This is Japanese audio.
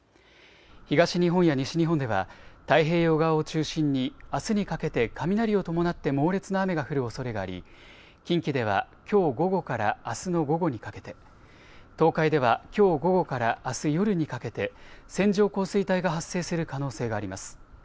東日本や西日本では太平洋側を中心に、あすにかけて雷を伴って猛烈な雨が降るおそれがあり近畿ではきょう午後からあすの午後にかけて、東海ではきょう午後からあす夜にかけて線状降水帯が発生する可能性があります。